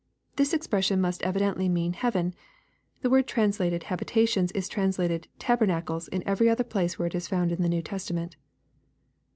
'] This expression must evidently mean heaven. The word translated " habitations," is translated " taber nacles" in every other place where it is found in the New Tes tament.